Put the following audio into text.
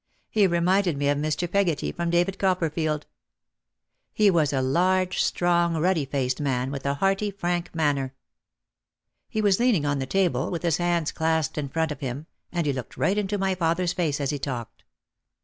He reminded me of Mr. Peggotty from David Copperfield. He was a large, strong, ruddy faced man with a hearty, frank manner. He was leaning on the table with his hands clasped in front of him and he looked right into my father's face as he talked.